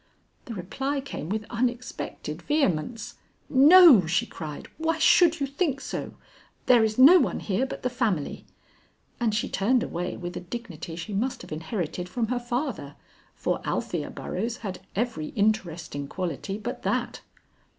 The reply came with unexpected vehemence. "No," she cried, "why should you think so? There is no one here but the family." And she turned away with a dignity she must have inherited from her father, for Althea Burroughs had every interesting quality but that.